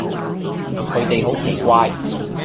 佢哋好奇怪